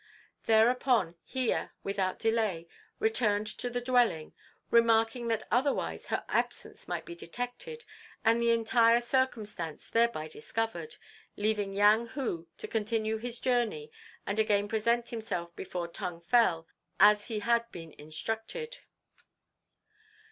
Thereupon Hiya, without delay, returned to the dwelling, remarking that otherwise her absence might be detected and the entire circumstance thereby discovered, leaving Yang Hu to continue his journey and again present himself before Tung Fel, as he had been instructed.